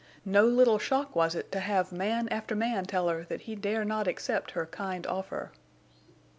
No little shock was it to have man after man tell her that he dare not accept her kind offer.